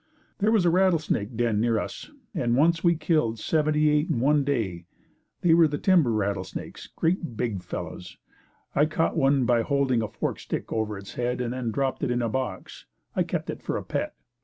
There was a rattlesnake den near us and once we killed seventy eight in one day. They were the timber rattlesnakes great big fellows. I caught one by holding a forked stick over its head and then dropped it in a box. I kept it for a pet.